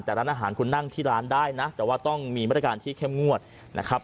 แต่ร้านอาหารคุณนั่งที่ร้านได้นะแต่ว่าต้องมีมาตรการที่เข้มงวดนะครับ